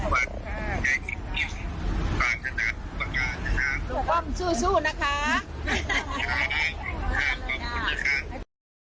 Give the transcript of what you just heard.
บังการนะครับสู้สู้นะคะขอบคุณค่ะขอบคุณค่ะ